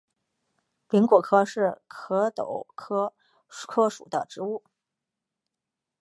柄果柯是壳斗科柯属的植物。